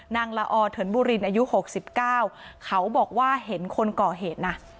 นางละอเถินบูรินอายุหกสิบเก้าเขาบอกว่าเห็นคนก่อเหตุนะ